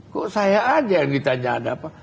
kok saya aja yang ditanya ada apa